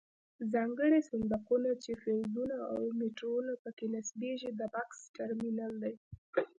ځانګړي صندوقونه چې فیوزونه او میټرونه پکې نصبیږي د بکس ټرمینل دی.